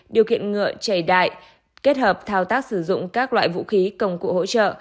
điều khiển ngựa chạy đại kết hợp thao tác sử dụng các loại vũ khí công cụ hỗ trợ